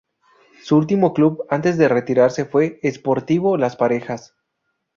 Su último club antes de retirarse fue Sportivo Las Parejas.